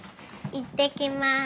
行ってきます。